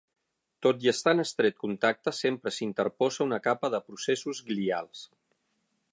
Tot i estar en estret contacte sempre s'hi interposa una capa de processos glials.